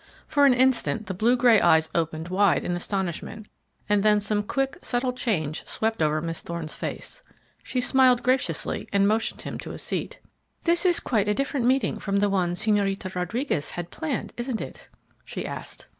For an instant the blue gray eyes opened wide in astonishment, and then some quick, subtle change swept over Miss Thorne's face. She smiled graciously and motioned him to a seat. "This is quite a different meeting from the one Señorita Rodriguez had planned, isn't it?" she asked.